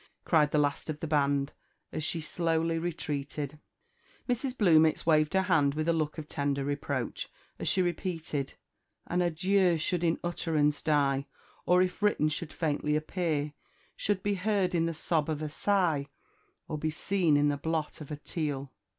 cried the last of the band, as she slowly retreated. Mrs. Bluemits waved her hand with a look of tender reproach, as she repeated "An adieu should in utterance die, Or, if written, should faintly appear Should be heard in the sob of a sigh, Or be seen in the blot of a teal."